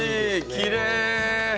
きれい！